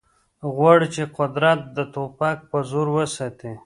غواړي چې قدرت د ټوپک په زور وساتي